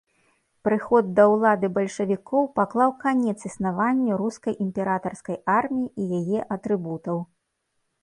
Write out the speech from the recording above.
Прыход да ўлады бальшавікоў паклаў канец існаванню рускай імператарскай арміі і яе атрыбутаў.